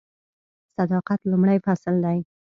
صداقت لومړی فصل دی .